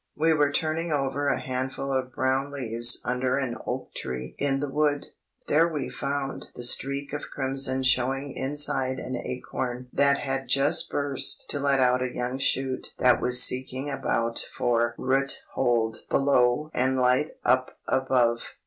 We were turning over a handful of brown leaves under an oak tree in the wood; there we found the streak of crimson showing inside an acorn that had just burst to let out a young shoot that was seeking about for roothold below and light up above.